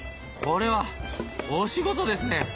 これは大仕事ですね。